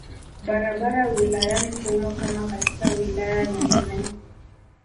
Barabara wilayani humo kama katika wilaya nyingine